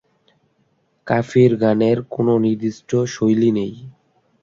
কাফির গানের কোনও নির্দিষ্ট শৈলী নেই।